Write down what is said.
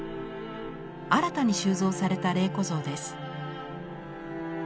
新たに収蔵された麗子像です。